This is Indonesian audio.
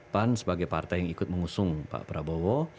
pan sebagai partai yang ikut mengusung pak prabowo